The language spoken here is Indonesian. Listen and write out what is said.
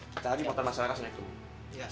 kita lagi motor mas raka seneng tuh